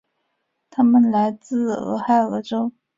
他们来自俄亥俄州。